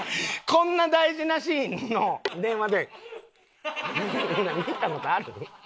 こんな大事なシーンの電話でこんなん見た事ある？